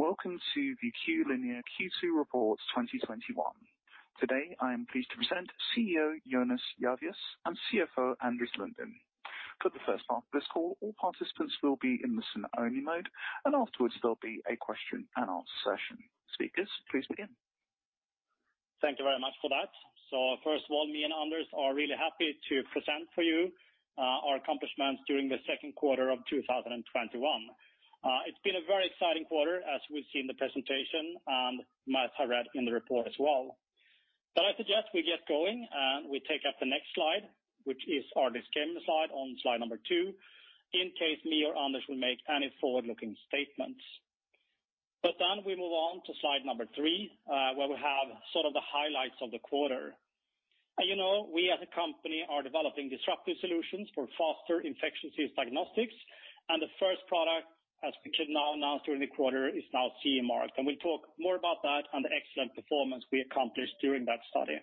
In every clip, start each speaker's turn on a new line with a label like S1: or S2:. S1: Welcome to the Q-linea Q2 report 2021. Today, I'm pleased to present CEO, Jonas Jarvius, and CFO, Anders Lundin. For the first part of this call, all participants will be in listen-only mode. Afterwards, there'll be a question and answer session. Speakers, please begin.
S2: Thank you very much for that. First of all, me and Anders are really happy to present for you our accomplishments during the Q2 of 2021. It's been a very exciting quarter as we've seen the presentation, and might have read in the report as well. I suggest we get going, and we take up the next slide, which is our disclaimer slide on slide number two, in case me or Anders will make any forward-looking statements. We move on to slide number three, where we have sort of the highlights of the quarter. You know, we as a company are developing disruptive solutions for faster infectious disease diagnostics, and the first product, as we could now announce during the quarter, is now CE marked. We'll talk more about that and the excellent performance we accomplished during that study.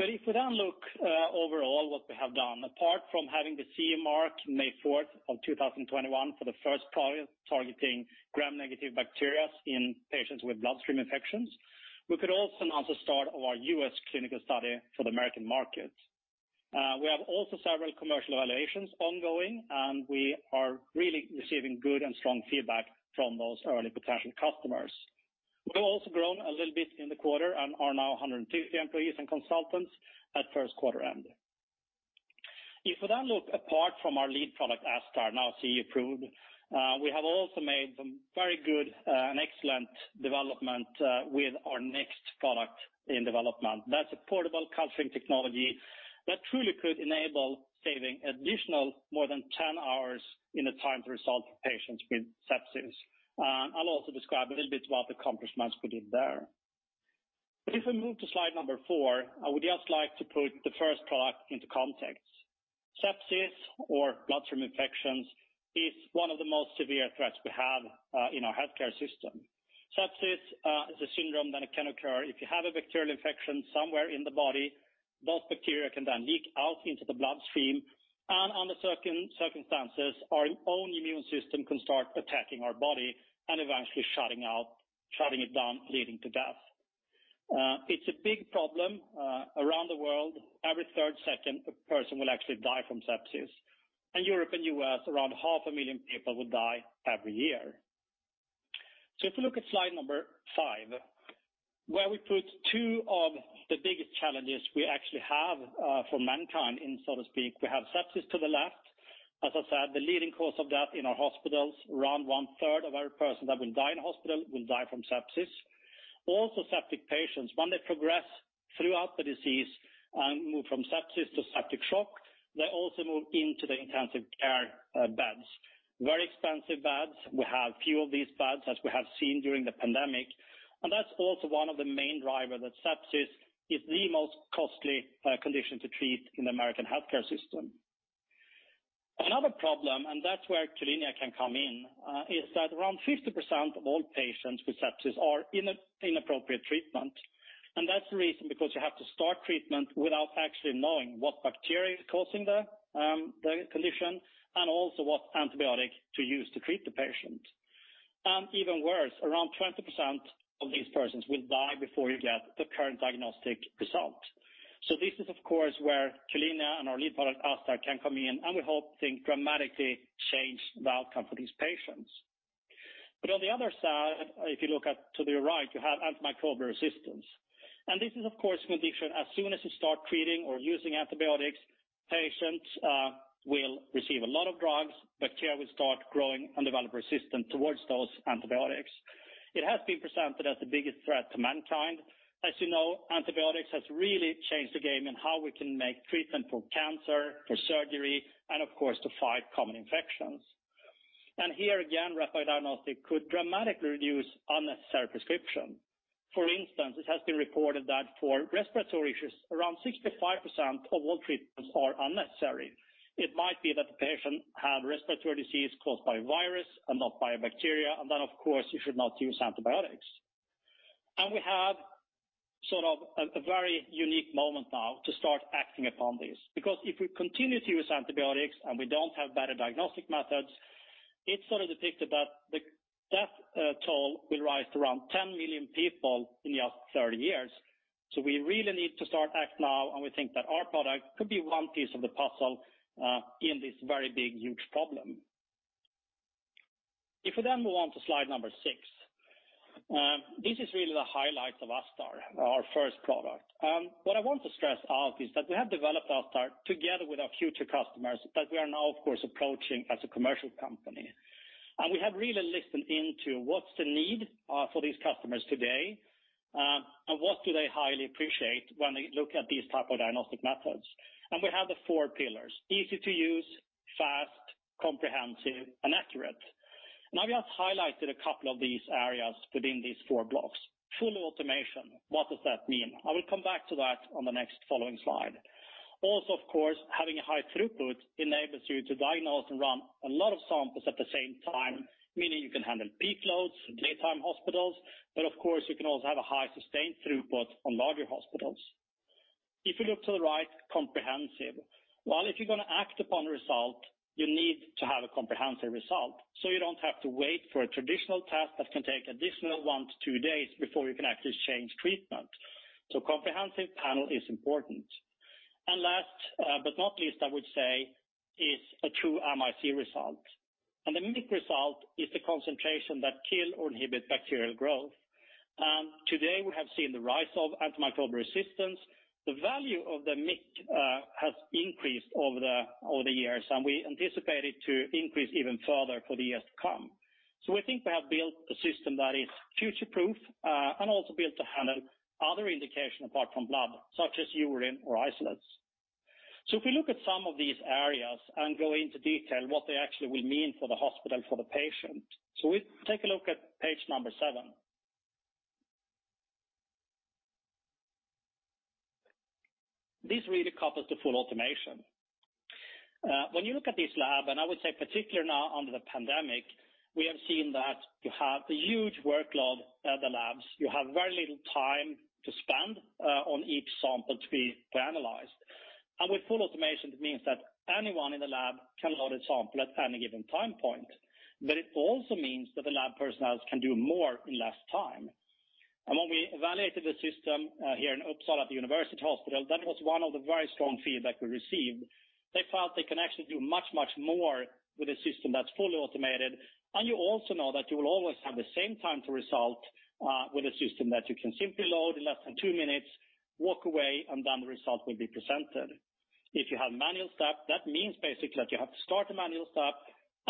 S2: If we then look overall what we have done, apart from having the CE mark May 4th, 2021 for the first product targeting gram-negative bacteria in patients with bloodstream infections, we could also announce the start of our U.S. clinical study for the American market. We have also several commercial evaluations ongoing, and we are really receiving good and strong feedback from those early potential customers. We have also grown a little bit in the quarter and are now 150 employees and consultants at Q1 end. If we then look apart from our lead product, ASTar, now CE approved, we have also made some very good and excellent development, with our next product in development. That is a portable culturing technology that truly could enable saving additional more than 10 hours in a time to result for patients with sepsis. I'll also describe a little bit about the accomplishments we did there. If we move to slide number four, I would just like to put the 1st product into context. Sepsis or bloodstream infections is 1 of the most severe threats we have in our healthcare system. Sepsis is a syndrome that can occur if you have a bacterial infection somewhere in the body. Those bacteria can then leak out into the bloodstream, and under circumstances, our own immune system can start attacking our body and eventually shutting it down, leading to death. It's a big problem around the world. Every third second, a person will actually die from sepsis. In Europe and U.S., around half a million people will die every year. If you look at slide number five, where we put two of the biggest challenges we actually have for mankind, so to speak. We have sepsis to the left. As I said, the leading cause of death in our hospitals. Around one-third of every person that will die in a hospital will die from sepsis. Also septic patients, when they progress throughout the disease and move from sepsis to septic shock, they also move into the intensive care beds. Very expensive beds. We have few of these beds, as we have seen during the pandemic, and that's also one of the main driver that sepsis is the most costly condition to treat in the American healthcare system. Another problem, that's where Q-linea can come in, is that around 50% of all patients with sepsis are inappropriate treatment. That's the reason because you have to start treatment without actually knowing what bacteria is causing the condition, and also what antibiotic to use to treat the patient. Even worse, around 20% of these persons will die before you get the current diagnostic result. This is, of course, where Q-linea and our lead product, ASTar, can come in, and we hope things dramatically change the outcome for these patients. On the other side, if you look at to the right, you have antimicrobial resistance. This is, of course, a condition as soon as you start treating or using antibiotics, patients will receive a lot of drugs. Bacteria will start growing and develop resistance towards those antibiotics. It has been presented as the biggest threat to mankind. As you know, antibiotics has really changed the game in how we can make treatment for cancer, for surgery, and of course, to fight common infections. Here again, rapid diagnostic could dramatically reduce unnecessary prescription. For instance, it has been reported that for respiratory issues, around 65% of all treatments are unnecessary. It might be that the patient had respiratory disease caused by virus and not by a bacteria, and then, of course, you should not use antibiotics. We have sort of a very unique moment now to start acting upon this, because if we continue to use antibiotics and we don't have better diagnostic methods, it's sort of depicted that the death toll will rise to around 10 million people in the next 30 years. We really need to start act now, and we think that our product could be one piece of the puzzle in this very big, huge problem. We then move on to slide number six. This is really the highlights of ASTar, our first product. What I want to stress out is that we have developed ASTar together with our future customers that we are now, of course, approaching as a commercial company. We have really listened into what's the need for these customers today, and what do they highly appreciate when they look at these type of diagnostic methods. We have the four pillars, easy to use, fast, comprehensive, and accurate. I've just highlighted a couple of these areas within these four blocks. Full automation. What does that mean? I will come back to that on the next following slide. Also, of course, having a high throughput enables you to diagnose and run a lot of samples at the same time, meaning you can handle peak loads for daytime hospitals. Of course, you can also have a high sustained throughput on larger hospitals. If you look to the right, comprehensive. While if you're going to act upon the result, you need to have a comprehensive result, so you don't have to wait for a traditional test that can take additional 1 to 2 days before you can actually change treatment. Comprehensive panel is important. Last but not least, I would say, is a true MIC result, and the MIC result is the concentration that kill or inhibit bacterial growth. Today we have seen the rise of antimicrobial resistance. The value of the MIC has increased over the years, and we anticipate it to increase even further for the years to come. We think we have built a system that is future-proof, and also built to handle other indication apart from blood, such as urine or isolates. If you look at some of these areas and go into detail, what they actually will mean for the hospital and for the patient. We take a look at page number seven. This really covers the full automation. When you look at this lab, and I would say particular now under the pandemic, we have seen that you have a huge workload at the labs. You have very little time to spend on each sample to be analyzed. With full automation, it means that anyone in the lab can load a sample at any given time point, but it also means that the lab personnel can do more in less time. When we evaluated the system here in Uppsala University Hospital, that was one of the very strong feedback we received. They felt they can actually do much, much more with a system that's fully automated, and you also know that you will always have the same time to result with a system that you can simply load in less than 2 minutes, walk away, the result will be presented. If you have manual step, that means basically that you have to start a manual step,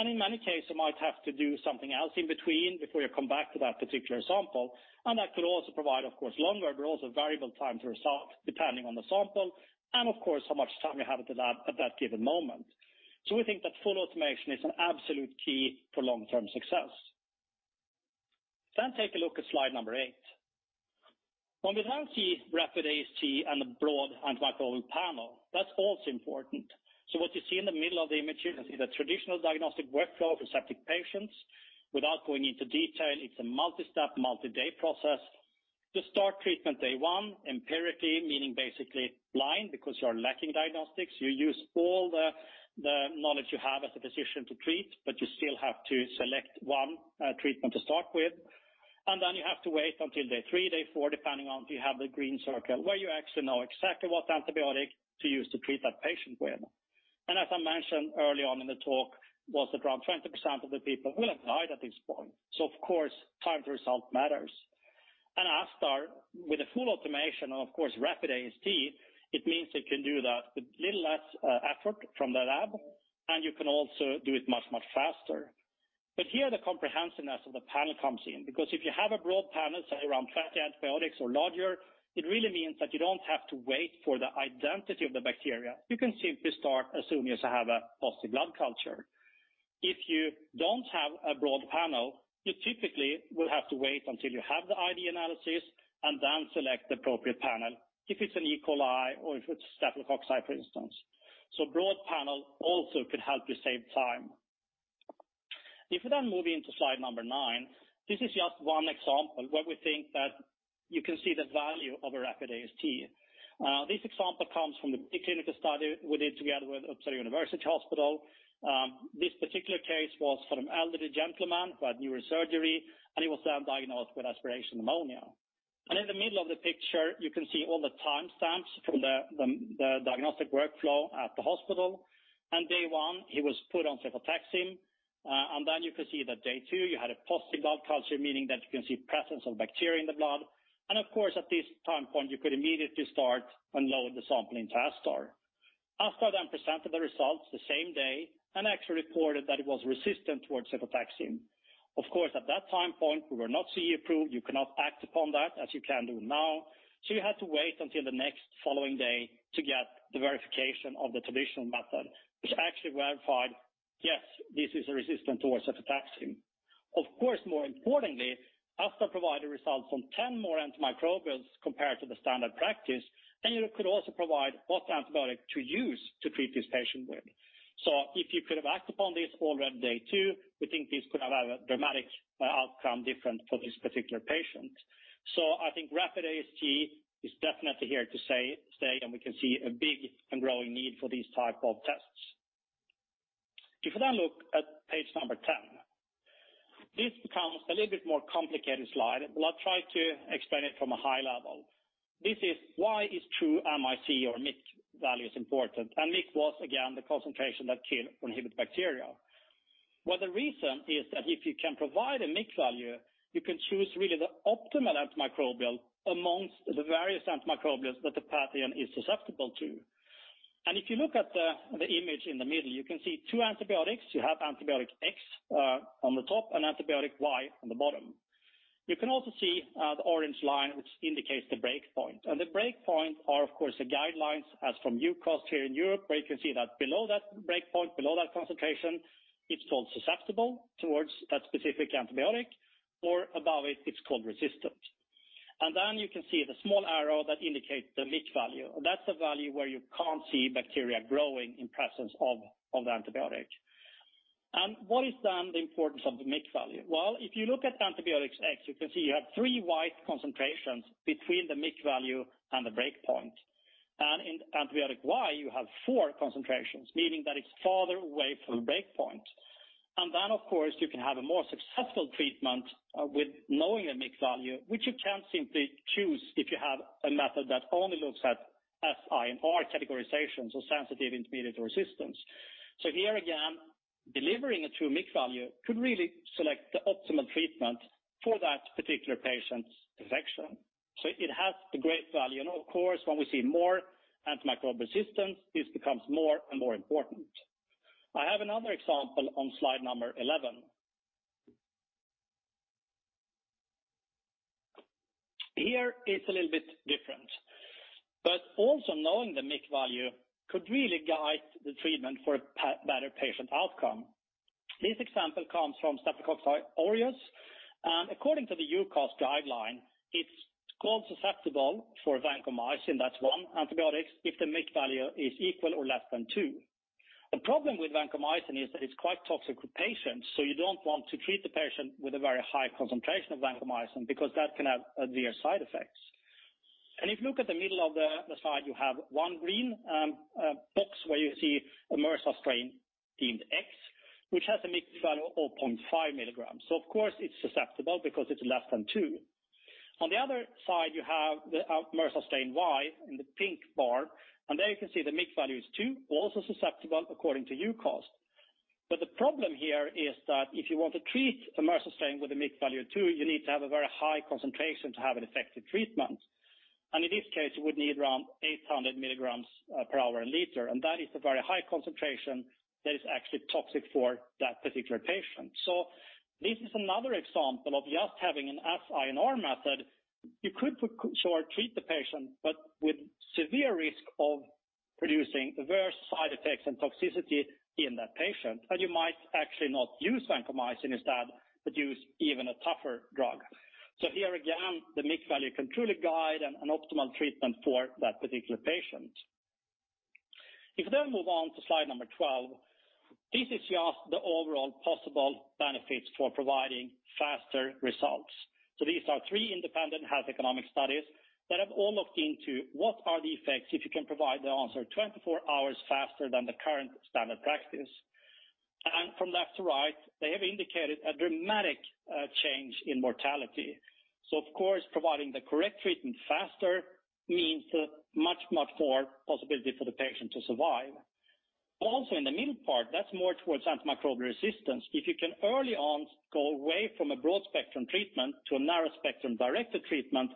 S2: in many cases you might have to do something else in between before you come back to that particular sample. That could also provide, of course, longer, but also variable time to result depending on the sample and, of course, how much time you have at that given moment. We think that full automation is an absolute key for long-term success. Take a look at slide number eight. When we see rapid AST and the broad antimicrobial panel, that's also important. What you see in the middle of the image here, you can see the traditional diagnostic workflow for septic patients. Without going into detail, it's a multi-step, multi-day process. To start treatment day 1, empirically, meaning basically blind, because you are lacking diagnostics, you use all the knowledge you have as a physician to treat, but you still have to select 1 treatment to start with. You have to wait until day 3, day 4, depending on if you have the green circle where you actually know exactly what antibiotic to use to treat that patient with. As I mentioned early on in the talk, was around 20% of the people will have died at this point. Of course, time to result matters. ASTar with a full automation and of course, rapid AST, it means it can do that with little less effort from the lab, and you can also do it much, much faster. Here, the comprehensiveness of the panel comes in because if you have a broad panel, say around 20 antibiotics or larger, it really means that you don't have to wait for the identity of the bacteria. You can simply start as soon as you have a positive blood culture. If you don't have a broad panel, you typically will have to wait until you have the ID analysis and then select the appropriate panel if it's an E. coli or if it's staphylococci, for instance. Broad panel also could help you save time. If we then move into slide number nine, this is just one example where we think that you can see the value of a rapid AST. This example comes from the clinical study we did together with Uppsala University Hospital. This particular case was from elderly gentleman who had neurosurgery, he was then diagnosed with aspiration pneumonia. In the middle of the picture, you can see all the timestamps from the diagnostic workflow at the hospital. Day 1, he was put on cefotaxime. Then you can see that day 2 you had a positive blood culture, meaning that you can see presence of bacteria in the blood. Of course, at this time point, you could immediately start and load the sample into ASTar. ASTar then presented the results the same day and actually reported that it was resistant towards cefotaxime. At that time point, we were not CE approved. You cannot act upon that as you can do now. You had to wait until the next following day to get the verification of the traditional method, which actually verified, yes, this is a resistance towards cefotaxime. More importantly, ASTar provided results on 10 more antimicrobials compared to the standard practice, and it could also provide what antibiotic to use to treat this patient with. If you could have acted upon this already on day 2, we think this could have a dramatic outcome different for this particular patient. I think rapid AST is definitely here to stay, and we can see a big and growing need for these type of tests. We now look at page number 10, this becomes a little bit more complicated slide. I'll try to explain it from a high level. This is why is true MIC or MIC value is important, and MIC was again, the concentration that kill or inhibit bacteria. The reason is that if you can provide a MIC value, you can choose really the optimal antimicrobial amongst the various antimicrobials that the pathogen is susceptible to. If you look at the image in the middle, you can see two antibiotics. You have antibiotic X on the top and antibiotic Y on the bottom. You can also see the orange line, which indicates the breakpoint. The breakpoint are, of course, the guidelines as from EUCAST here in Europe, where you can see that below that breakpoint, below that concentration, it's called susceptible towards that specific antibiotic, or above it's called resistant. You can see the small arrow that indicates the MIC value. That's a value where you can't see bacteria growing in presence of the antibiotic. What is then the importance of the MIC value? If you look at antibiotics X, you can see you have three white concentrations between the MIC value and the breakpoint. In antibiotic Y, you have four concentrations, meaning that it's farther away from the breakpoint. Of course, you can have a more successful treatment with knowing a MIC value, which you can't simply choose if you have a method that only looks at S, I, and R categorizations or Susceptible, Intermediate, or Resistant. Here again, delivering a true MIC value could really select the optimal treatment for that particular patient's infection. It has a great value. Of course, when we see more antimicrobial resistance, this becomes more and more important. I have another example on slide 11. Here is a little bit different, but also knowing the MIC value could really guide the treatment for a better patient outcome. This example comes from Staphylococcus aureus, and according to the EUCAST guideline, it's called susceptible for vancomycin, that's one antibiotic, if the MIC value is equal to or less than two. The problem with vancomycin is that it's quite toxic to patients, so you don't want to treat the patient with a very high concentration of vancomycin because that can have severe side effects. If you look at the middle of the slide, you have one green box where you see a MRSA strain in X, which has a MIC value of 0.5 milligrams. Of course it's susceptible because it's less than two. On the other side, you have the MRSA strain Y in the pink bar. There you can see the MIC value is 2, also susceptible according to EUCAST. The problem here is that if you want to treat the MRSA strain with a MIC value of 2, you need to have a very high concentration to have an effective treatment. In this case, you would need around 800 mg/hr and liter. That is a very high concentration that is actually toxic for that particular patient. This is another example of just having an S, I, and R method. You could for sure treat the patient, but with severe risk of producing adverse side effects and toxicity in that patient. You might actually not use vancomycin instead, but use even a tougher drug. Here again, the MIC value can truly guide an optimal treatment for that particular patient. If you move on to slide number 12, this is just the overall possible benefits for providing faster results. These are three independent health economic studies that have all looked into what are the effects if you can provide the answer 24 hours faster than the current standard practice. From left to right, they have indicated a dramatic change in mortality. Of course, providing the correct treatment faster means much more possibility for the patient to survive. Also in the middle part, that's more towards antimicrobial resistance. If you can early on go away from a broad-spectrum treatment to a narrow-spectrum directed treatment,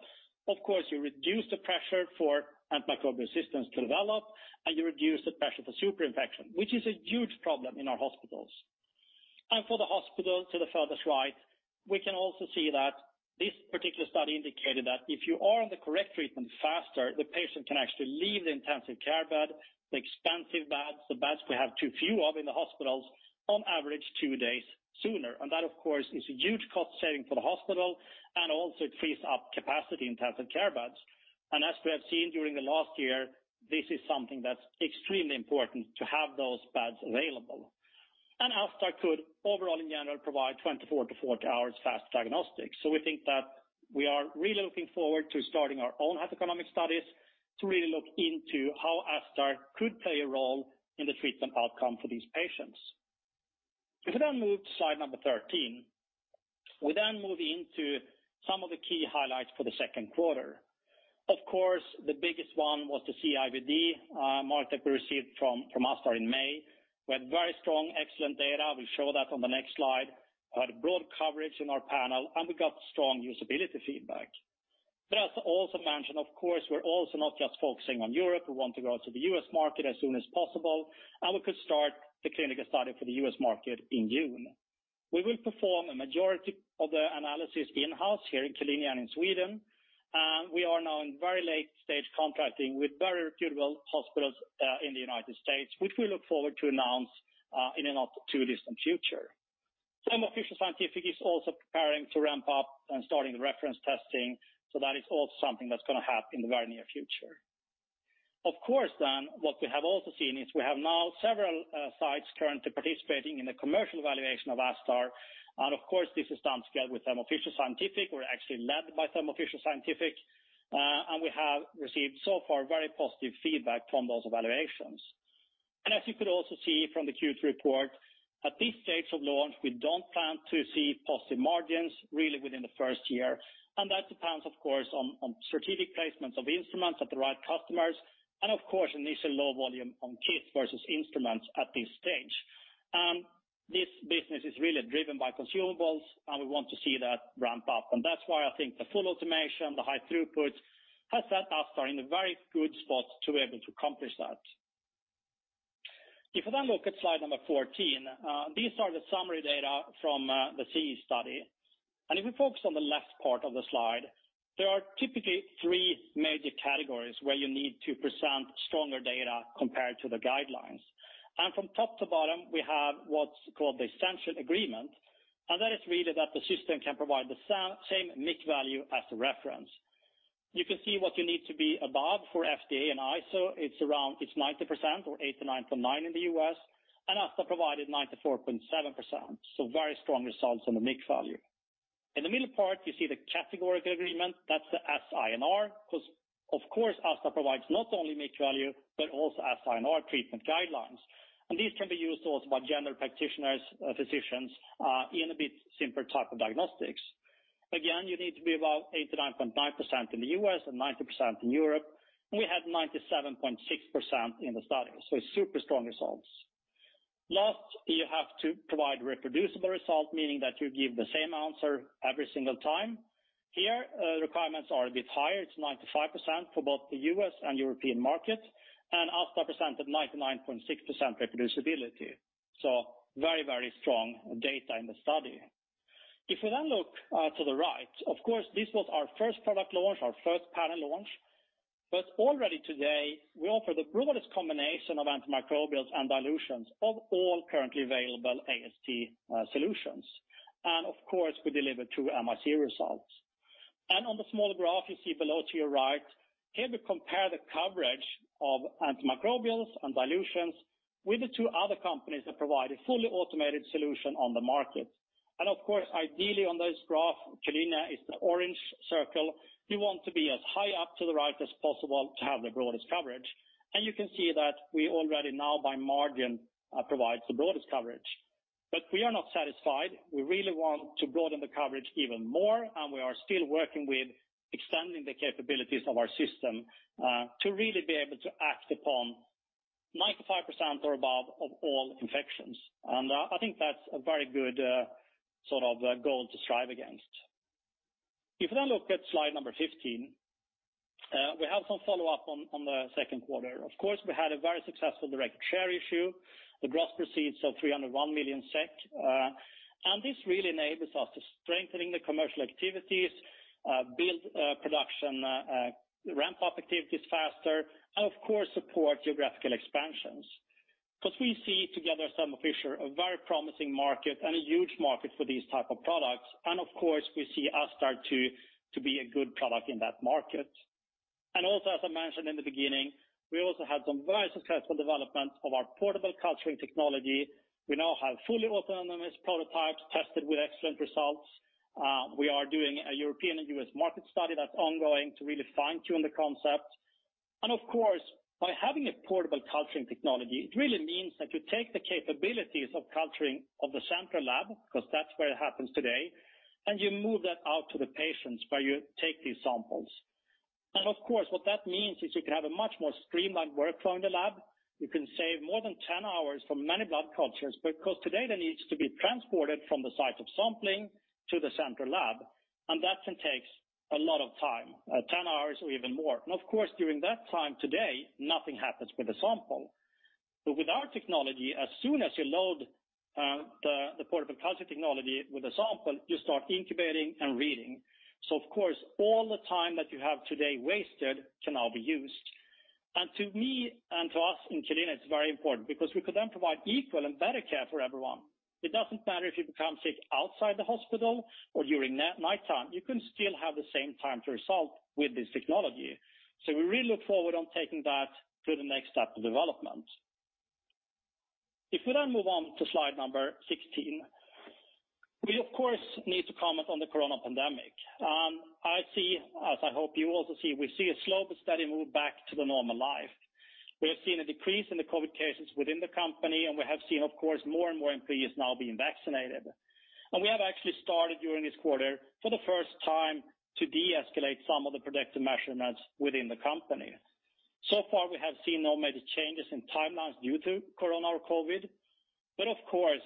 S2: of course, you reduce the pressure for antimicrobial resistance to develop, and you reduce the pressure for superinfection, which is a huge problem in our hospitals. For the hospital to the furthest right, we can also see that this particular study indicated that if you are on the correct treatment faster, the patient can actually leave the intensive care bed, the expansive beds, the beds we have too few of in the hospitals, on average two days sooner. That, of course, is a huge cost saving for the hospital and also it frees up capacity in terms of care beds. As we have seen during the last year, this is something that's extremely important to have those beds available. ASTar could overall in general provide 24-40 hours fast diagnostics. We think that we are really looking forward to starting our own health economic studies to really look into how ASTar could play a role in the treatment outcome for these patients. If we then move to slide number 13, we then move into some of the key highlights for the Q2. Of course, the biggest one was the CE-IVD mark that we received from ASTar in May. We had very strong, excellent data. We'll show that on the next slide. We had broad coverage in our panel, and we got strong usability feedback. As I also mentioned, of course, we're also not just focusing on Europe. We want to go to the U.S. market as soon as possible, and we could start the clinical study for the U.S. market in June. We will perform a majority of the analysis in-house here in Q-linea in Sweden, and we are now in very late stage contracting with very reputable hospitals in the United States, which we look forward to announce in a not too distant future. Thermo Fisher Scientific is also preparing to ramp up and starting the reference testing, that is also something that's going to happen in the very near future. Of course, what we have also seen is we have now several sites currently participating in the commercial evaluation of ASTar, this is done together with Thermo Fisher Scientific. We're actually led by Thermo Fisher Scientific, we have received so far very positive feedback from those evaluations. As you could also see from the Q2 report, at this stage of launch, we don't plan to see positive margins really within the first year, that depends, of course, on strategic placements of instruments at the right customers, initial low volume on kits versus instruments at this stage. This business is really driven by consumables, we want to see that ramp up. That's why I think the full automation, the high throughput, has set ASTar in a very good spot to be able to accomplish that. If we look at slide number 14, these are the summary data from the CE study. If we focus on the left part of the slide, there are typically three major categories where you need to present stronger data compared to the guidelines. From top to bottom, we have what's called the essential agreement, and that is really that the system can provide the same MIC value as the reference. You can see what you need to be above for FDA and ISO. It's 90% or 89.9 in the U.S., and ASTar provided 94.7%. Very strong results on the MIC value. In the middle part, you see the categoric agreement. That's the SIR, because, of course, ASTar provides not only MIC value, but also SIR treatment guidelines. These can be used also by general practitioners, physicians, in a bit simpler type of diagnostics. Again, you need to be about 89.9% in the U.S. and 90% in Europe, we had 97.6% in the study. Super strong results. Last, you have to provide reproducible results, meaning that you give the same answer every single time. Here, requirements are a bit higher. It's 95% for both the U.S. and European market, ASTar presented 99.6% reproducibility. Very strong data in the study. If we then look to the right, of course, this was our first product launch, our first panel launch. Already today, we offer the broadest combination of antimicrobials and dilutions of all currently available AST solutions. Of course, we deliver true MIC results. On the small graph you see below to your right, here we compare the coverage of antimicrobials and dilutions with the two other companies that provide a fully automated solution on the market. Of course, ideally on this graph, Q-linea is the orange circle. You want to be as high up to the right as possible to have the broadest coverage. You can see that we already now by margin provide the broadest coverage. We are not satisfied. We really want to broaden the coverage even more, and we are still working with extending the capabilities of our system, to really be able to act upon 95% or above of all infections. I think that's a very good goal to strive against. If we now look at slide number 15, we have some follow-up on the Q2. Of course, we had a very successful direct share issue, with gross proceeds of 301 million SEK. This really enables us to strengthen the commercial activities, build production, ramp up activities faster, and of course support geographical expansions. We see together Thermo Fisher, a very promising market and a huge market for these type of products. Of course, we see ASTar to be a good product in that market. Also, as I mentioned in the beginning, we also had some very successful development of our portable culturing technology. We now have fully autonomous prototypes tested with excellent results. We are doing a European and U.S. market study that's ongoing to really fine-tune the concept. Of course, by having a portable culturing technology, it really means that you take the capabilities of culturing of the central lab, because that's where it happens today, and you move that out to the patients where you take these samples. Of course, what that means is you can have a much more streamlined workflow in the lab. You can save more than 10 hours for many blood cultures, because today that needs to be transported from the site of sampling to the central lab, and that can take a lot of time, 10 hours or even more. Of course, during that time today, nothing happens with the sample. With our technology, as soon as you load the portable culturing technology with the sample, you start incubating and reading. Of course, all the time that you have today wasted can now be used. To me and to us in Q-linea, it's very important because we could then provide equal and better care for everyone. It doesn't matter if you become sick outside the hospital or during nighttime, you can still have the same time to result with this technology. We really look forward to taking that to the next step of development. If we move on to slide number 16, we of course, need to comment on the corona pandemic. I see, as I hope you also see, we see a slow but steady move back to the normal life. We have seen a decrease in the COVID cases within the company, and we have seen, of course, more and more employees now being vaccinated. We have actually started during this quarter for the first time to deescalate some of the protective measurements within the company. Far, we have seen no major changes in timelines due to corona or COVID. Of course,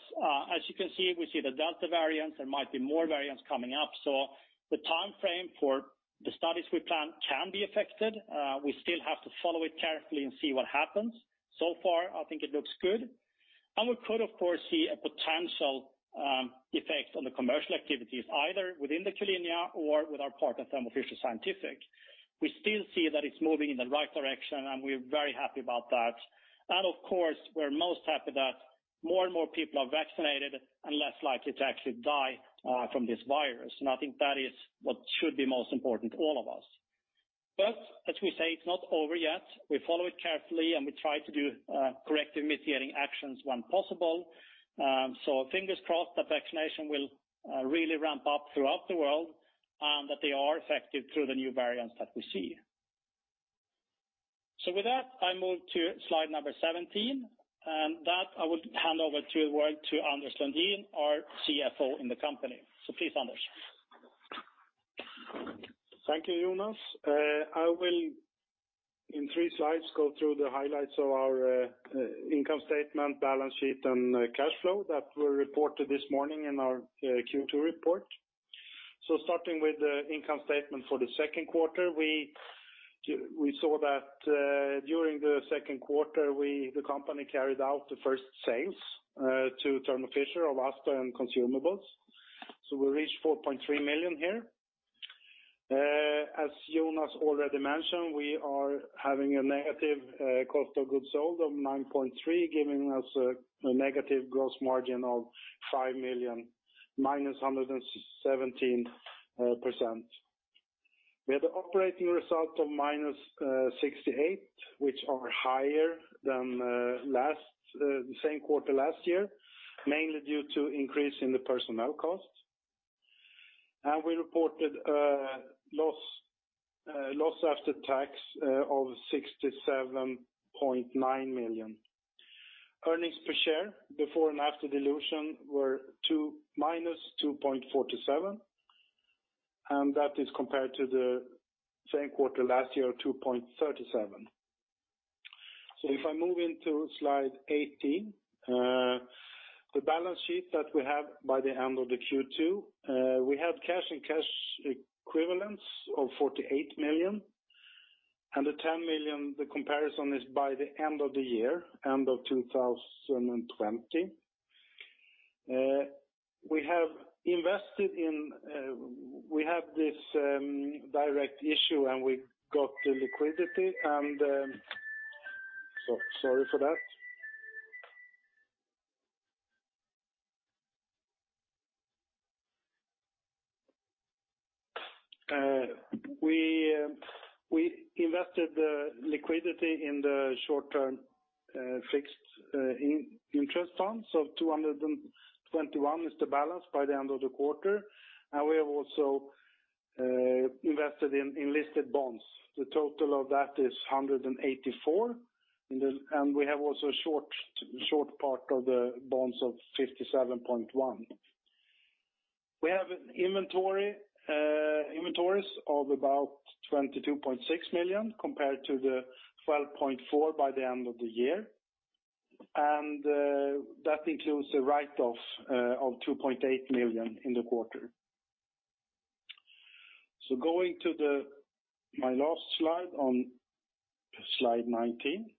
S2: as you can see, we see the Delta variants. There might be more variants coming up. The timeframe for the studies we plan can be affected. We still have to follow it carefully and see what happens. Far, I think it looks good. We could, of course, see a potential effect on the commercial activities, either within Q-linea or with our partner, Thermo Fisher Scientific. We still see that it's moving in the right direction, and we're very happy about that. Of course, we're most happy that more and more people are vaccinated and less likely to actually die from this virus. I think that is what should be most important to all of us. As we say, it's not over yet. We follow it carefully, and we try to do corrective mitigating actions when possible. Fingers crossed that vaccination will really ramp up throughout the world, and that they are effective through the new variants that we see. With that, I move to slide number 17, and that I will hand over to Anders Lundin, our CFO in the company. Please, Anders.
S3: Thank you, Jonas. I will in three slides go through the highlights of our income statement, balance sheet, and cash flow that were reported this morning in our Q2 report. Starting with the income statement for the Q2, we saw that during the Q2, the company carried out the first sales to Thermo Fisher of ASTar and consumables. We reached 4.3 million here. As Jonas already mentioned, we are having a negative cost of goods sold of 9.3 million, giving us a negative gross margin of 5 million. Minus 117%. We had an operating result of minus 68 million, which are higher than the same quarter last year, mainly due to increase in the personnel costs. We reported a loss after tax of 67.9 million. Earnings per share before and after dilution were minus 2.47, that is compared to the same quarter last year, 2.37. If I move into slide 18. The balance sheet that we have by the end of the Q2, we have cash and cash equivalents of 48 million, and the 10 million, the comparison is by the end of the year, end of 2020. We have this direct issue, we got the liquidity. Sorry for that. We invested the liquidity in the short-term fixed interest funds, 221 is the balance by the end of the quarter. We have also invested in enlisted bonds. The total of that is 184, and we have also short part of the bonds of 57.1. We have inventories of about 22.6 million compared to the 12.4 by the end of the year. That includes a write-off of 2.8 million in the quarter. Going to my last slide on slide 19.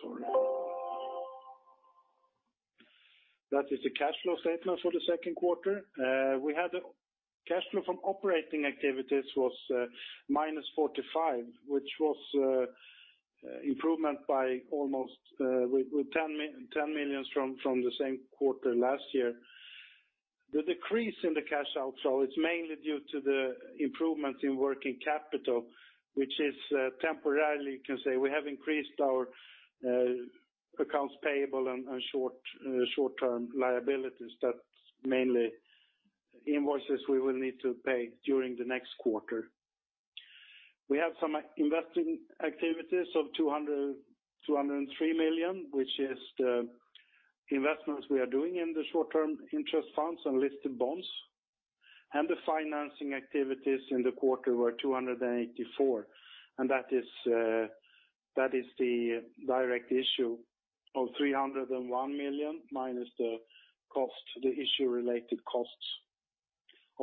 S3: Sorry. That is the cash flow statement for the Q2. We had the cash flow from operating activities was minus 45 million, which was improvement with 10 million from the same quarter last year. The decrease in the cash outflow, it's mainly due to the improvements in working capital, which is temporarily, you can say, we have increased our accounts payable and short-term liabilities. That's mainly invoices we will need to pay during the next quarter. We have some investing activities of 203 million, which is the investments we are doing in the short-term interest funds and listed bonds. The financing activities in the quarter were 284 million, and that is the direct issue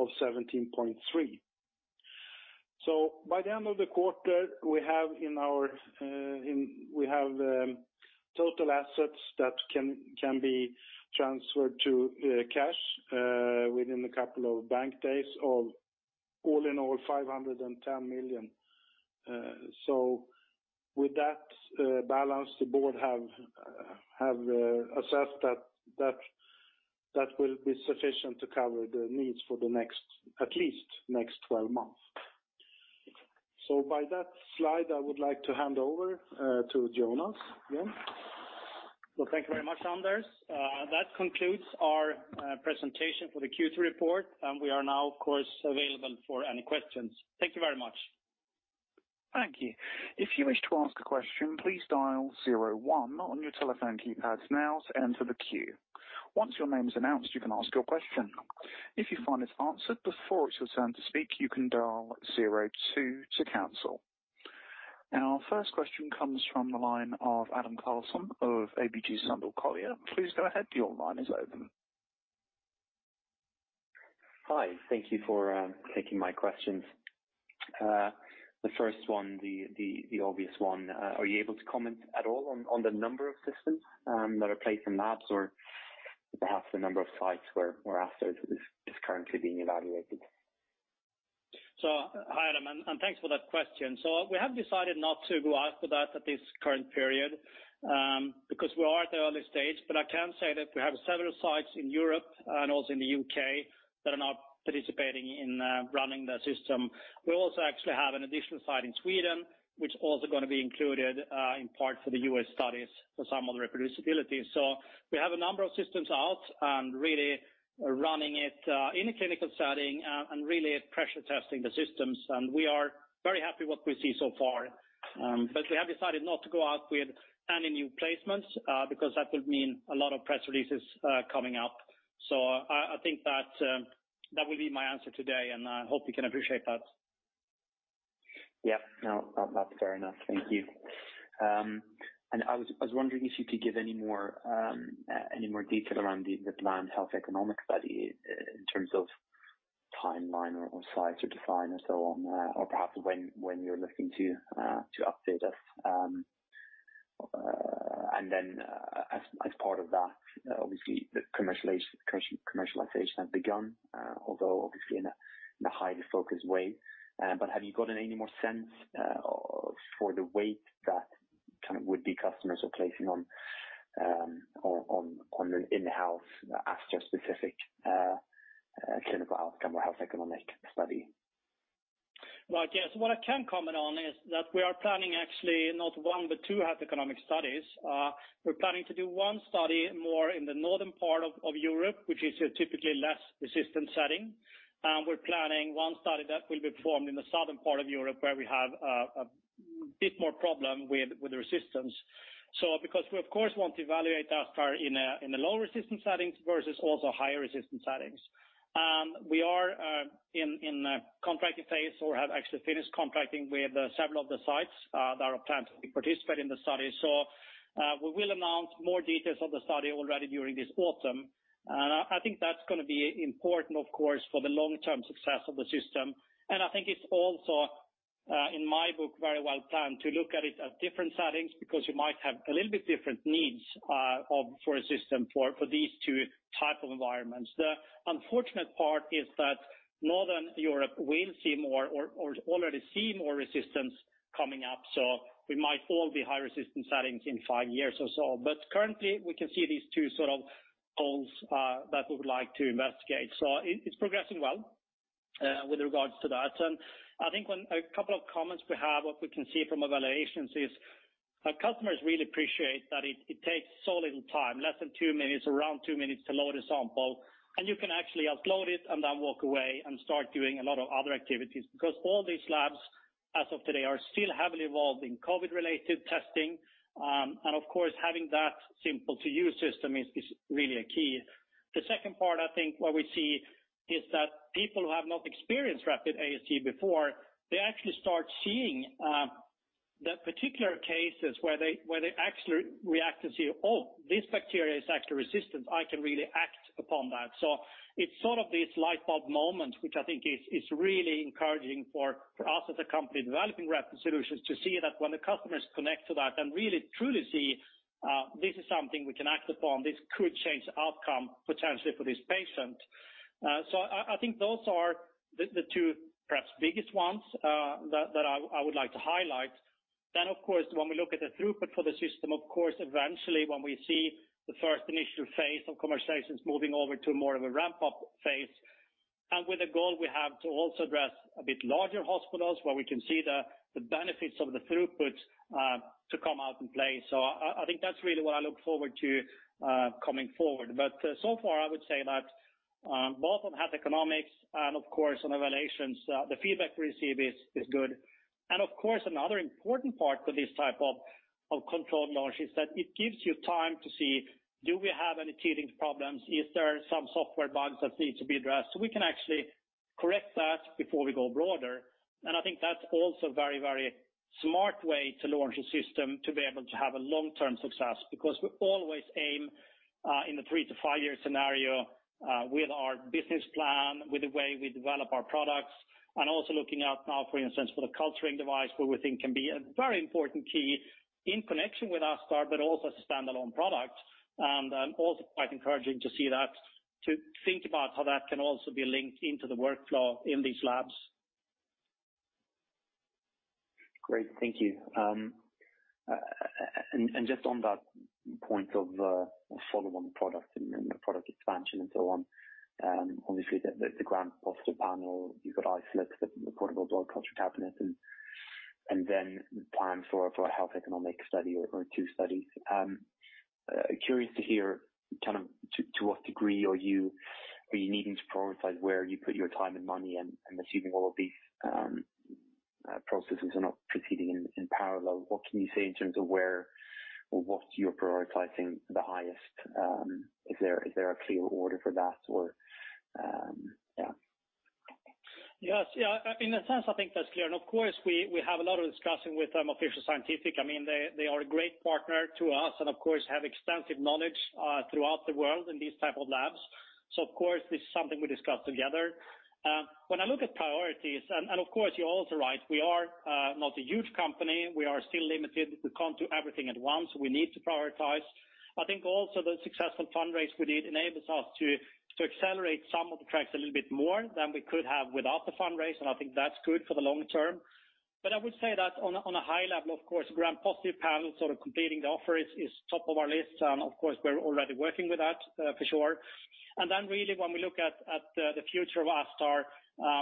S3: of SEK 301 million minus the issue-related costs of 17.3 million. By the end of the quarter, we have total assets that can be transferred to cash within a couple of bank days of all in all 510 million. With that balance, the board have assessed that that will be sufficient to cover the needs for at least next 12 months. By that slide, I would like to hand over to Jonas again.
S2: Thank you very much, Anders. That concludes our presentation for the Q2 report, and we are now, of course, available for any questions. Thank you very much.
S1: Thank you. Our first question comes from the line of Adam Karlsson of ABG Sundal Collier. Please go ahead. Your line is open.
S4: Hi. Thank you for taking my questions. The first one, the obvious one, are you able to comment at all on the number of systems that are placed in labs or perhaps the number of sites where ASTar is currently being evaluated?
S2: Hi, Adam Karlsson, and thanks for that question. We have decided not to go out with that at this current period because we are at the early stage. I can say that we have several sites in Europe and also in the U.K. that are now participating in running the system. We also actually have an additional site in Sweden, which also going to be included in part for the U.S. studies for some of the reproducibility. We have a number of systems out and really are running it in a clinical setting and really pressure testing the systems. We are very happy what we see so far. We have decided not to go out with any new placements because that would mean a lot of press releases coming up. I think that will be my answer today, and I hope you can appreciate that.
S4: Yep. No, that's fair enough. Thank you. I was wondering if you could give any more detail around the planned health economic study in terms of timeline or size or define and so on or perhaps when you're looking to update us. As part of that, obviously, the commercialization has begun, although obviously in a highly focused way. Have you gotten any more sense for the weight that kind of would-be customers are placing on the in-house ASTar specific clinical outcome or health economic study?
S2: Well, yes, what I can comment on is that we are planning actually not one, but two health economic studies. We're planning to do 1 study more in the northern part of Europe, which is a typically less resistant setting. We're planning 1 study that will be performed in the southern part of Europe, where we have a bit more problem with resistance. Because we, of course, want to evaluate ASTar in the low resistance settings versus also higher resistance settings. We are in contracting phase or have actually finished contracting with several of the sites that are planning to participate in the study. We will announce more details of the study already during this autumn. I think that's going to be important, of course, for the long-term success of the system. I think it's also, in my book, very well planned to look at it at different settings because you might have a little bit different needs for a system for these two type of environments. We might all be high resistance settings in five years or so. Currently, we can see these 2 sort of poles that we would like to investigate. It's progressing well with regards to that. I think a couple of comments we have, what we can see from evaluations is customers really appreciate that it takes so little time, less than 2 minutes, around 2 minutes to load a sample, and you can actually upload it and then walk away and start doing a lot of other activities. All these labs, as of today, are still heavily involved in COVID-related testing. Of course, having that simple to use system is really a key. The second part, I think what we see is that people who have not experienced rapid AST before, they actually start seeing the particular cases where they actually react and say, "Oh, this bacteria is actually resistant. I can really act upon that." It's sort of this light bulb moment, which I think is really encouraging for us as a company developing rapid solutions to see that when the customers connect to that and really truly see this is something we can act upon, this could change the outcome potentially for this patient. I think those are the 2 perhaps biggest ones that I would like to highlight. Of course, when we look at the throughput for the system, of course, eventually when we see the 1st initial phase of conversations moving over to more of a ramp-up phase, and with the goal we have to also address a bit larger hospitals where we can see the benefits of the throughput to come out in play. I think that's really what I look forward to coming forward. So far, I would say that both on health economics and of course on evaluations, the feedback we receive is good. Of course, another important part for this type of controlled launch is that it gives you time to see, do we have any teething problems? Is there some software bugs that need to be addressed? We can actually correct that before we go broader. I think that's also very smart way to launch a system to be able to have a long-term success, because we always aim, in the 3 to 5-year scenario, with our business plan, with the way we develop our products, also looking out now, for instance, for the Isolate, where we think can be a very important key in connection with ASTar, but also a standalone product. Also quite encouraging to see that, to think about how that can also be linked into the workflow in these labs.
S4: Great. Thank you. Just on that point of follow-on product and the product expansion and so on, obviously, the gram-positive panel, you've got Isolate, the portable blood culture cabinet, and then plans for a health economic study or two studies. Curious to hear kind of to what degree are you needing to prioritize where you put your time and money and assuming all of these processes are not proceeding in parallel, what can you say in terms of where or what you're prioritizing the highest? Is there a clear order for that or, yeah.
S2: Yes. In a sense, I think that's clear. Of course, we have a lot of discussing with Thermo Fisher Scientific. They are a great partner to us and of course have extensive knowledge throughout the world in these type of labs. Of course, this is something we discuss together. When I look at priorities, and of course, you're also right, we are not a huge company. We are still limited. We can't do everything at once. We need to prioritize. I think also the successful fundraise we did enables us to accelerate some of the tracks a little bit more than we could have without the fundraise, and I think that's good for the long term. I would say that on a high level, of course, gram-positive panel sort of completing the offer is top of our list. Of course, we're already working with that for sure. Really when we look at the future of ASTar,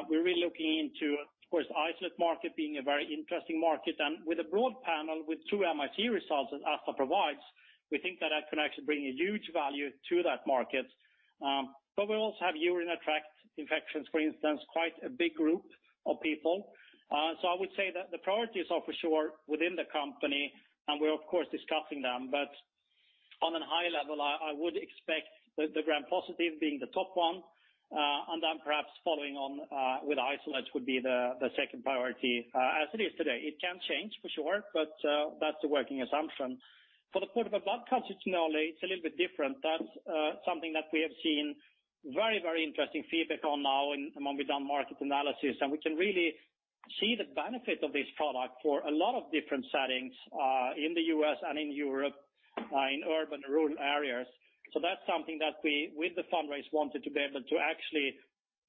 S2: we're really looking into, of course, Isolate market being a very interesting market. With a broad panel with true MIC results that ASTar provides, we think that that can actually bring a huge value to that market. We also have urine tract infections, for instance, quite a big group of people. I would say that the priorities are for sure within the company, and we're of course discussing them. On a high level, I would expect the gram-positive being the top one, then perhaps following on with Isolates would be the second priority as it is today. It can change for sure, but that's the working assumption. For the portable blood culture, it's a little bit different. That's something that we have seen very interesting feedback on now and when we've done market analysis, and we can really see the benefit of this product for a lot of different settings, in the U.S. and in Europe, in urban, rural areas. That's something that we, with the fundraise, wanted to be able to actually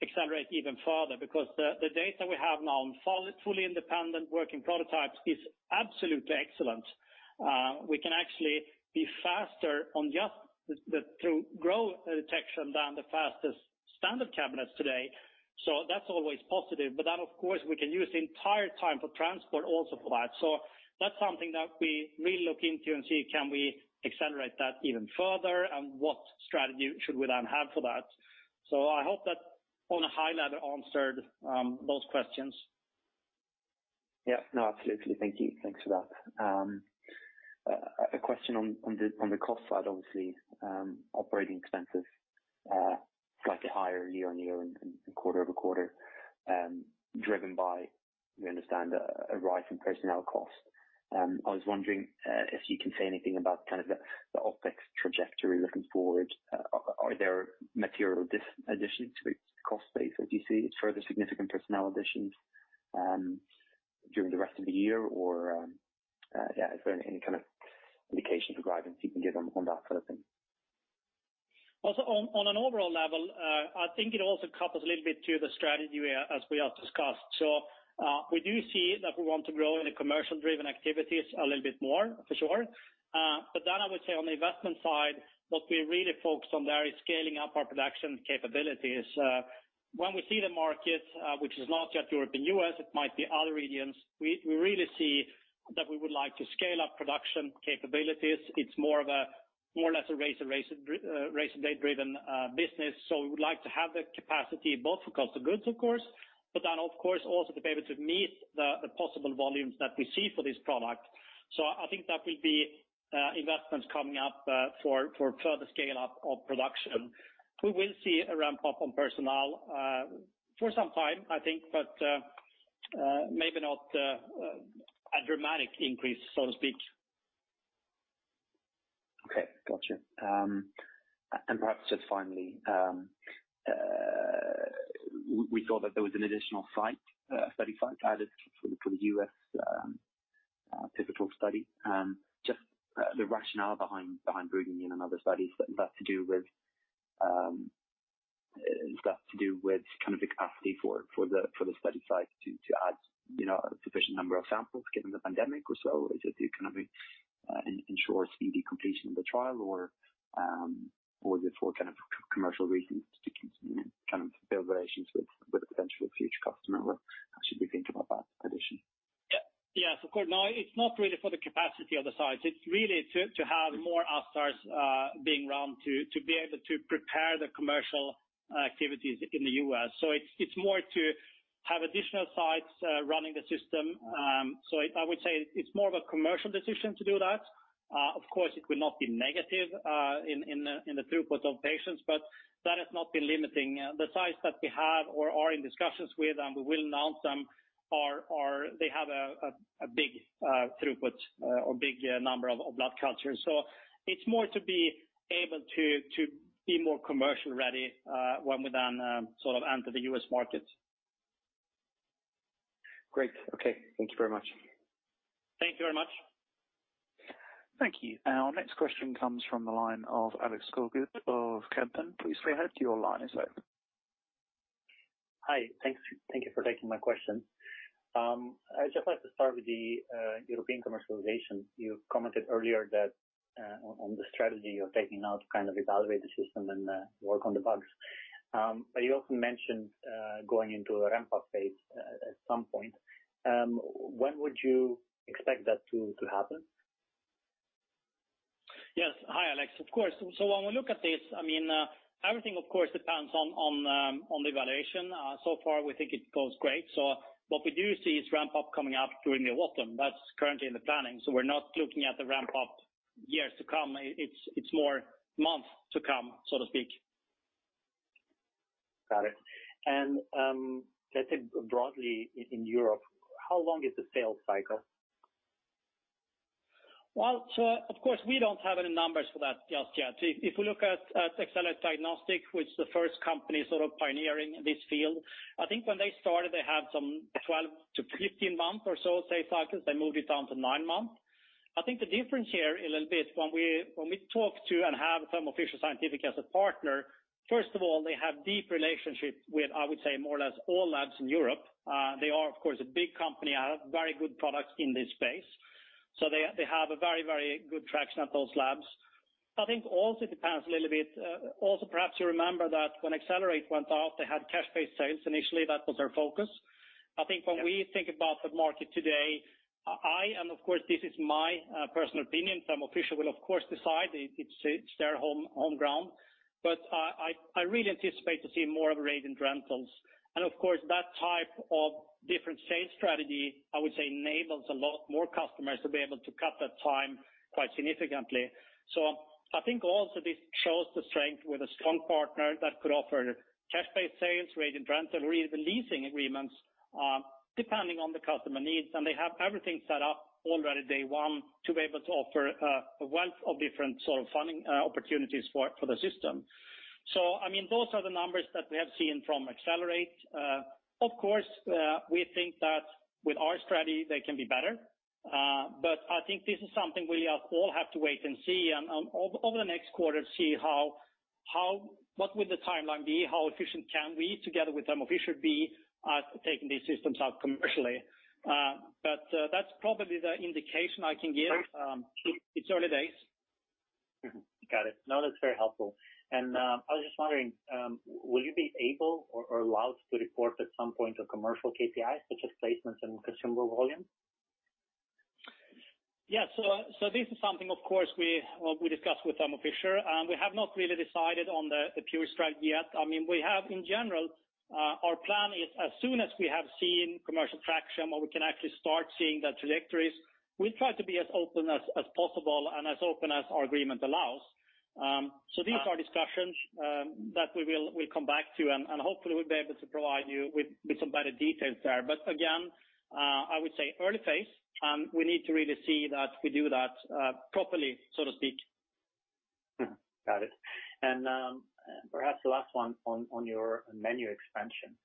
S2: accelerate even further, because the data we have now on fully independent working prototypes is absolutely excellent. We can actually be faster on just the growth detection than the fastest standard cabinets today. That's always positive. Of course, we can use the entire time for transport also for that. That's something that we really look into and see, can we accelerate that even further, and what strategy should we then have for that? I hope that on a high level answered those questions.
S4: Yeah. No, absolutely. Thank you. Thanks for that. A question on the cost side, obviously, operating expenses, slightly higher year-on-year and quarter-over-quarter, driven by, we understand a rise in personnel costs. I was wondering if you can say anything about kind of the OpEx trajectory looking forward. Are there material additions to the cost base? Do you see further significant personnel additions during the rest of the year or, yeah, if there are any kind of indication you can provide and see if you can give them on that sort of thing.
S2: Well, on an overall level, I think it also couples a little bit to the strategy as we have discussed. I would say on the investment side, what we really focus on there is scaling up our production capabilities. When we see the market, which is not yet Europe and U.S., it might be other regions, we really see that we would like to scale up production capabilities. It's more or less a race and date-driven business. We would like to have the capacity both for cost of goods, of course, but then, of course, also to be able to meet the possible volumes that we see for this product. I think that will be investments coming up for further scale-up of production. We will see a ramp-up on personnel, for some time, I think, but maybe not a dramatic increase, so to speak.
S4: Okay. Got you. Perhaps just finally, we thought that there was an additional site, a study site added for the U.S. pivotal study. Just the rationale behind bringing in another study. Is that to do with kind of the capacity for the study site to add a sufficient number of samples given the pandemic? Is it to kind of ensure speedy completion of the trial or was it for kind of commercial reasons to kind of build relations with a potential future customer? How should we think about that addition?
S2: Yeah. Of course not, it's not really for the capacity of the site. It's really to have more ASTars being run to be able to prepare the commercial activities in the U.S. It's more to have additional sites running the system. I would say it's more of a commercial decision to do that. Of course, it will not be negative in the throughput of patients, but that has not been limiting. The sites that we have or are in discussions with, and we will announce them, they have a big throughput or big number of blood cultures. It's more to be able to be more commercial ready, when we then sort of enter the U.S. market.
S4: Great. Okay. Thank you very much.
S2: Thank you very much.
S1: Thank you. Our next question comes from the line of Alex Skoglund of Kepler Cheuvreux. Please go ahead. Your line is open.
S5: Hi. Thank you for taking my question. I'd just like to start with the European commercialization. You commented earlier that on the strategy of taking out, kind of evaluate the system and work on the bugs. You also mentioned, going into a ramp-up phase at some point. When would you expect that to happen?
S2: Yes. Hi, Alex. Of course. When we look at this, everything of course depends on the evaluation. So far, we think it goes great. What we do see is ramp up coming up during the autumn. That's currently in the planning, so we're not looking at the ramp up years to come. It's more months to come, so to speak.
S5: Got it. Let's say broadly in Europe, how long is the sales cycle?
S2: Well, of course, we don't have any numbers for that just yet. If we look at Accelerate Diagnostics, which is the first company sort of pioneering this field, I think when they started, they had some 12 to 15 month or so sales cycles. They moved it down to nine months. I think the difference here a little bit, when we talk to and have Thermo Fisher Scientific as a partner, first of all, they have deep relationships with, I would say more or less all labs in Europe. They are, of course, a big company, have very good products in this space. They have a very good traction at those labs. I think also it depends a little bit. Also, perhaps you remember that when Accelerate went out, they had cash-based sales initially. That was their focus. I think when we think about the market today, I, and of course this is my personal opinion, Thermo Fisher will of course decide, it's their home ground, but I really anticipate to see more of reagent and rentals. Of course, that type of different sales strategy, I would say, enables a lot more customers to be able to cut that time quite significantly. I think also this shows the strength with a strong partner that could offer cash-based sales, rent and rentals, or even leasing agreements, depending on the customer needs. They have everything set up already day one to be able to offer a wealth of different sort of funding opportunities for the system. Those are the numbers that we have seen from Accelerate. Of course, we think that with our strategy, they can be better. I think this is something we all have to wait and see, and over the next quarter, see what will the timeline be, how efficient can we, together with Thermo Fisher, be at taking these systems out commercially. That's probably the indication I can give. It's early days.
S5: Got it. No, that's very helpful. I was just wondering, will you be able or allowed to report at some point a commercial KPI, such as placements and consumable volume?
S2: Yes. This is something, of course, we discussed with Thermo Fisher, and we have not really decided on the pure strategy yet. We have in general, our plan is as soon as we have seen commercial traction where we can actually start seeing the trajectories, we try to be as open as possible and as open as our agreement allows. These are discussions that we'll come back to, and hopefully we'll be able to provide you with some better details there. Again, I would say early phase, and we need to really see that we do that properly, so to speak.
S5: Got it. Perhaps the last one on your menu expansion,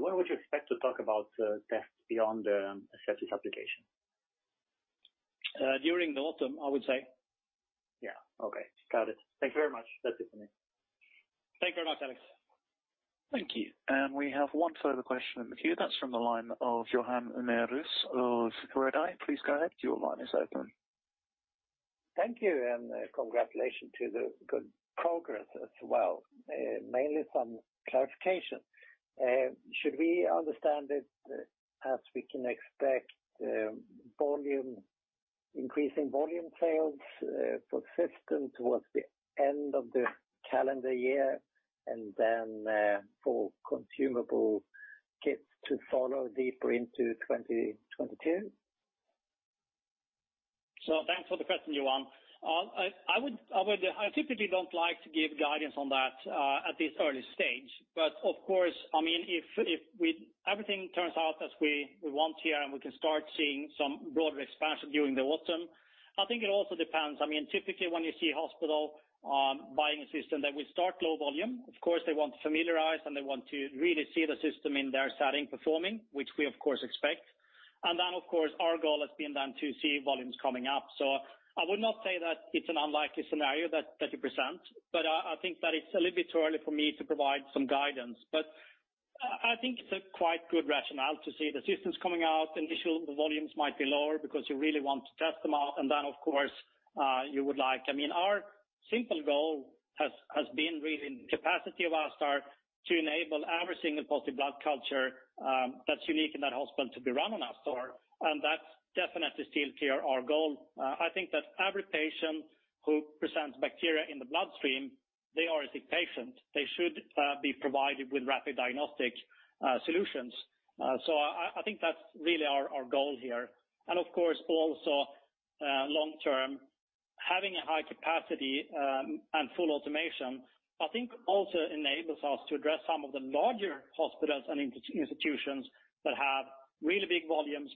S5: when would you expect to talk about tests beyond the sepsis application?
S2: During the autumn, I would say.
S5: Yeah, okay. Got it. Thank you very much. That's it for me.
S2: Thank you very much, Alex.
S1: Thank you. We have one further question in the queue. That's from the line of Johan Unnérus of Redeye. Please go ahead. Your line is open.
S6: Thank you, and congratulations to the good progress as well. Mainly some clarification. Should we understand it as we can expect increasing volume sales for system towards the end of the calendar year, and then for consumable kits to follow deeper into 2022?
S2: Thanks for the question, Johan. I typically don't like to give guidance on that at this early stage. Of course, if everything turns out as we want here, and we can start seeing some broader expansion during the autumn, I think it also depends. Typically, when you see a hospital buying a system, they will start low volume. Of course, they want to familiarize, and they want to really see the system in their setting performing, which we of course expect. Of course, our goal has been then to see volumes coming up. I would not say that it's an unlikely scenario that you present, but I think that it's a little bit early for me to provide some guidance. I think it's a quite good rationale to see the systems coming out. Initially, the volumes might be lower because you really want to test them out. Our simple goal has been really the capacity of ASTar to enable every single positive blood culture that's unique in that hospital to be run on ASTar, and that's definitely still our goal. I think that every patient who presents bacteria in the bloodstream, they are a sick patient. They should be provided with rapid diagnostic solutions. I think that's really our goal here. Of course, also long term, having a high capacity and full automation, I think also enables us to address some of the larger hospitals and institutions that have really big volumes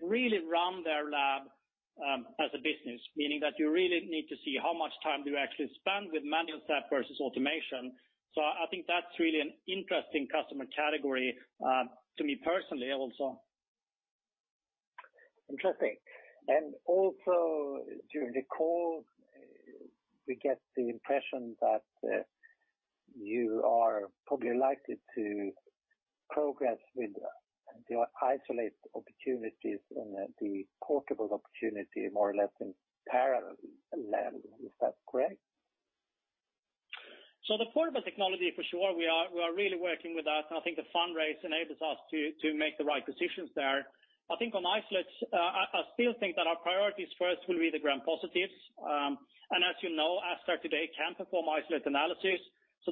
S2: but really run their lab as a business, meaning that you really need to see how much time do you actually spend with manual staff versus automation. I think that's really an interesting customer category to me personally, also.
S6: Interesting. Also during the call, we get the impression that you are probably likely to progress with the Isolate opportunities and the portable opportunity more or less in parallel. Is that correct?
S2: The portable technology, for sure, we are really working with that, and I think the fundraise enables us to make the right decisions there. I still think that our priorities first will be the gram-positives. As you know, ASTar today can perform Isolate analysis.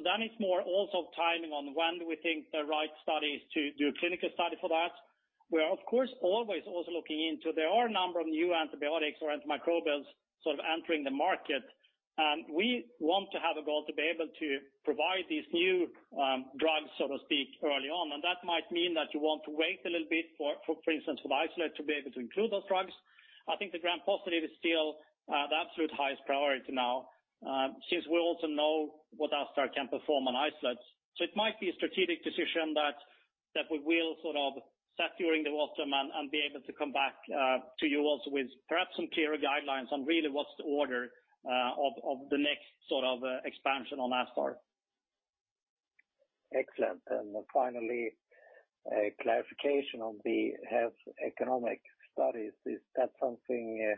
S2: That is more also timing on when do we think the right study is to do a clinical study for that. We are, of course, always also looking into, there are a number of new antibiotics or antimicrobials sort of entering the market. We want to have a goal to be able to provide these new drugs, so to speak, early on. That might mean that you want to wait a little bit, for instance, for the Isolate to be able to include those drugs. I think the gram-positive is still the absolute highest priority now, since we also know what ASTar can perform on isolates. It might be a strategic decision that we will sort of set during the autumn and be able to come back to you also with perhaps some clearer guidelines on really what's the order of the next sort of expansion on ASTar.
S6: Excellent. Finally, clarification on the health economic studies. Is that something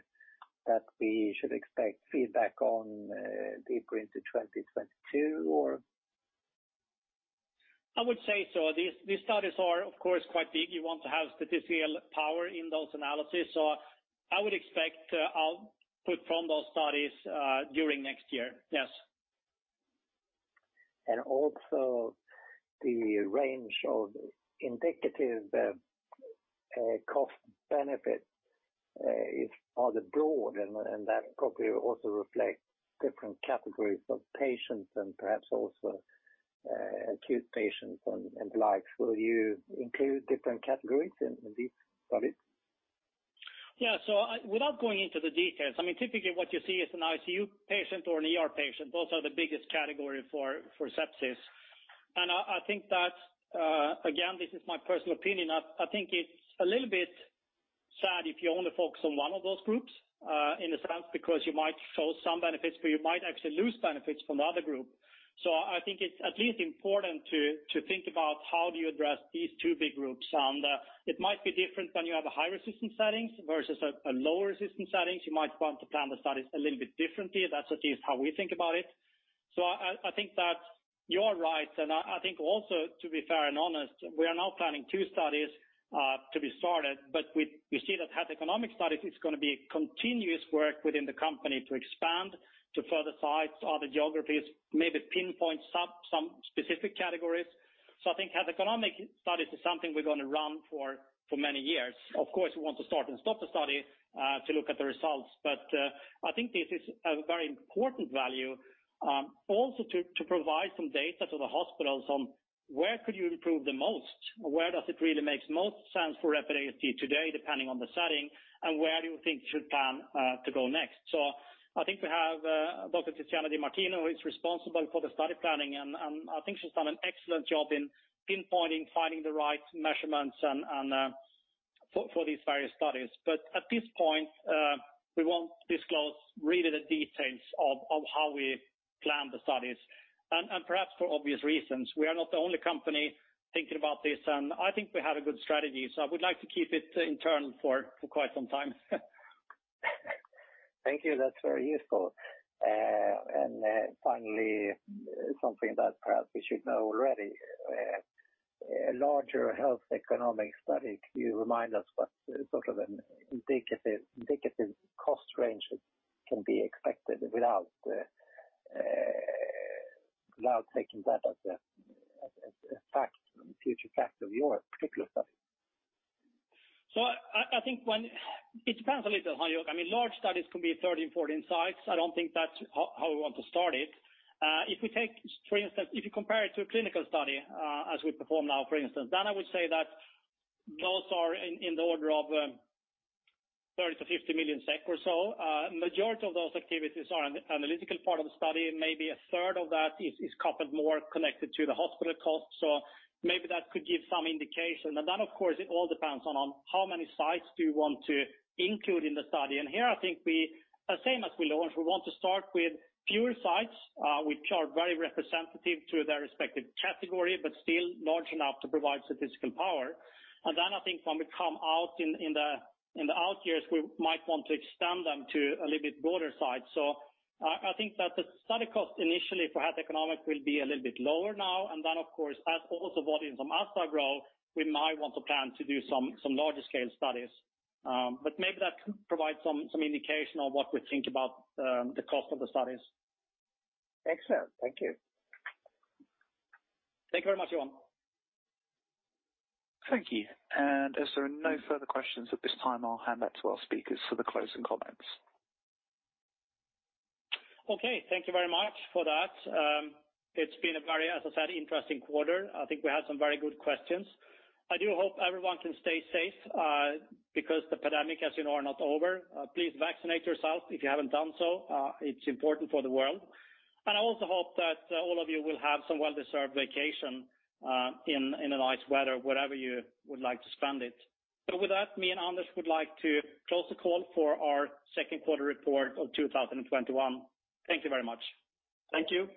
S6: that we should expect feedback on deeper into 2022, or?
S2: I would say so. These studies are, of course, quite big. You want to have statistical power in those analyses. I would expect output from those studies during next year. Yes.
S6: Also the range of indicative cost benefit is rather broad, and that probably also reflects different categories of patients and perhaps also acute patients and the like. Will you include different categories in these studies?
S2: Yeah. Without going into the details, typically what you see is an ICU patient or an ER patient. Those are the biggest category for sepsis. I think that, again, this is my personal opinion. I think it's a little bit sad if you only focus on one of those groups, in a sense, because you might show some benefits but you might actually lose benefits from the other group. I think it's at least important to think about how do you address these two big groups. It might be different when you have a high-resistance settings versus a low-resistance settings. You might want to plan the studies a little bit differently. That's at least how we think about it. I think that you are right, and I think also, to be fair and honest, we are now planning two studies to be started. We see that health economic studies is going to be a continuous work within the company to expand to further sites, other geographies, maybe pinpoint some specific categories. I think health economic studies is something we're going to run for many years. Of course, we want to start and stop the study to look at the results. I think this is a very important value also to provide some data to the hospitals on where could you improve the most, where does it really make most sense for ASTar today depending on the setting, and where do you think you should plan to go next. I think we have Dr. Tiziana Di Martino, who is responsible for the study planning, and I think she's done an excellent job in pinpointing, finding the right measurements for these various studies. At this point, we won't disclose really the details of how we plan the studies. Perhaps for obvious reasons, we are not the only company thinking about this, and I think we have a good strategy, so I would like to keep it internal for quite some time.
S6: Thank you. That's very useful. Finally, something that perhaps we should know already. A larger health economic study, can you remind us what sort of an indicative cost range can be expected without taking that as a future factor of your particular study?
S2: I think it depends a little how you look. Large studies can be 30 and 40 sites. I don't think that's how we want to start it. If we take, for instance, if you compare it to a clinical study as we perform now, for instance, then I would say that those are in the order of 30 million to 50 million SEK or so. Majority of those activities are analytical part of the study, and maybe a third of that is coupled more connected to the hospital costs. Maybe that could give some indication. Of course, it all depends on how many sites do you want to include in the study. Here, I think we, the same as we launch, we want to start with fewer sites, which are very representative to their respective category, but still large enough to provide statistical power. I think when we come out in the out years, we might want to extend them to a little bit broader sites. I think that the study cost initially for health economics will be a little bit lower now. Of course, as also volumes and margin grow, we might want to plan to do some larger scale studies. Maybe that could provide some indication on what we think about the cost of the studies.
S6: Excellent. Thank you.
S2: Thank you very much, Johan.
S1: Thank you. As there are no further questions at this time, I'll hand back to our speakers for the closing comments.
S2: Thank you very much for that. It's been a very, as I said, interesting quarter. I think we had some very good questions. I do hope everyone can stay safe because the pandemic, as you know, is not over. Please vaccinate yourself if you haven't done so. It's important for the world. I also hope that all of you will have some well-deserved vacation in a nice weather, wherever you would like to spend it. With that, me and Anders would like to close the call for our Q2 report of 2021. Thank you very much.
S6: Thank you.